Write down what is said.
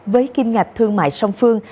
với kinh ngạch thương mại song phương